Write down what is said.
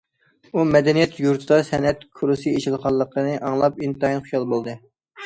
ئۇ مەدەنىيەت يۇرتىدا سەنئەت كۇرسى ئېچىلغانلىقىنى ئاڭلاپ ئىنتايىن خۇشال بولدى.